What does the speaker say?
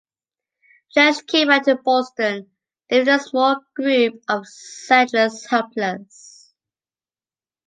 Church came back to Boston leaving the small group of settlers helpless